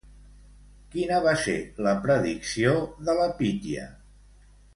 Quina va ser la predicció de la pítia?